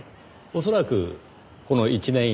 恐らくこの１年以内。